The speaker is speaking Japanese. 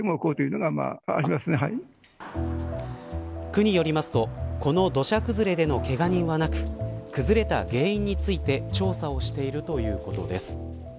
区によりますと、この土砂崩れでのけが人はなく崩れた原因について調査をしているということです。